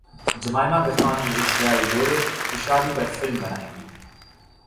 Jemima برطانوی ایشیائی جوڑے کی شادی پر فلم بنائیں گی